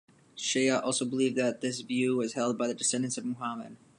Shia also believe that this view was held by the descendants of Muhammad.